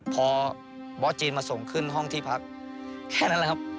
พอบอสจีนมาส่งขึ้นห้องที่พักแค่นั้นแหละครับ